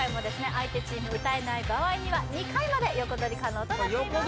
相手チーム歌えない場合には２回まで横取り可能となっています